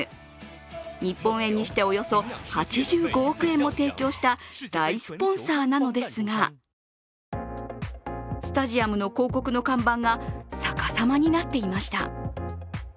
日本円にしておよそ８５億円も提供した大スポンサーなのですがスタジアムの広告の看板が逆さまになっていました。